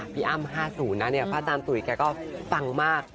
พี่อ้ำ๕๐นะเนี่ยพระอาจารย์ตุ๋ยแกก็ปังมาก